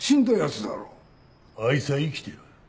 あいつは生きてる。